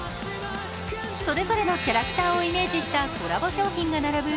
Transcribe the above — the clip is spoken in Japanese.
それぞれのキャラクターをイメージしたコラボ商品が並ぶ